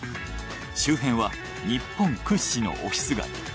周辺は日本屈指のオフィス街。